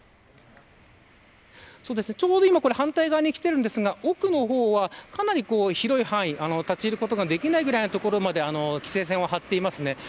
ちょうど反対側に来ているんですが奥の方はかなり広い範囲立ち入ることができない所まで規制線を張っています。